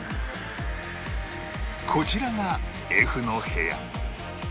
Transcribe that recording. こちらが Ｆ の部屋